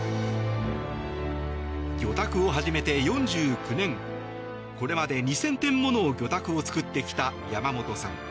魚拓を始めて４９年これまで２０００点もの魚拓を作ってきた山本さん。